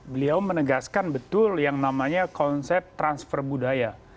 beliau menegaskan betul yang namanya konsep transfer budaya